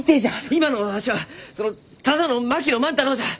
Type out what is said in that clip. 今のわしはそのただの槙野万太郎じゃ！